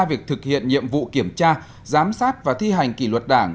việc thực hiện nhiệm vụ kiểm tra giám sát và thi hành kỷ luật đảng